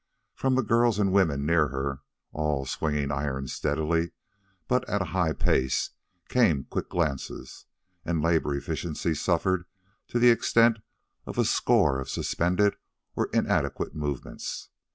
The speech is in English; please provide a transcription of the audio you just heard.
From the girls and women near her, all swinging irons steadily but at high pace, came quick glances, and labor efficiency suffered to the extent of a score of suspended or inadequate movements.